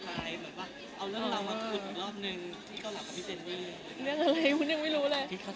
มีคำเรื่องอะไรวุ้นยังไม่รู้เลย